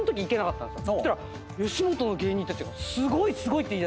そしたら吉本の芸人たちが「すごいすごい」って言いだして。